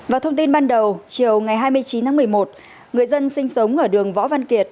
và thông tin ban đầu chiều ngày hai mươi chín tháng một mươi một người dân sinh sống ở đường võ văn kiệt